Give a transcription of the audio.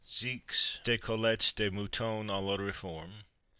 Six de Côtelettes de Mouton à la Reform.